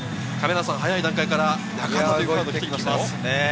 早い段階から中田が出てきましたよ。